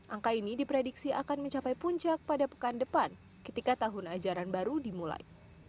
angka ini diprediksi akan mencapai puncak pada pekan depan ketika tahun ajaran baru dimulai